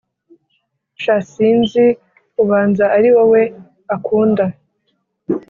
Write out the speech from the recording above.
Sha sinzi ubanza ariwowe akunda